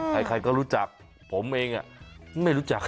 ใครก็รู้จักผมเองไม่รู้จัก